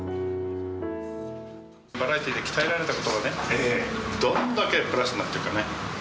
バラエティーで鍛えられたことがね、どんだけプラスになっているかね。